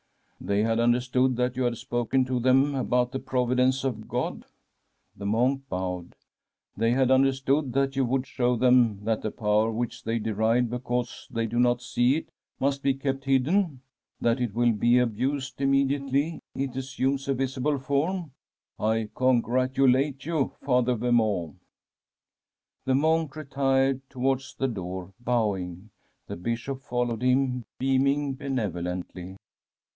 * They had understood that you had spoken to them about the providence of God ?* The monk bowed. 'They had understood that you would show I 288 1 The Empress's MONEY CHEST them that the power which they deride because they do not see it must be kept hidden ? that it will be abused immediately it assumes a visible form ? I congratulate you, Father Vemeau.' The monk retired towards the door, bowing. The Bishop followed him, beaming benevolently.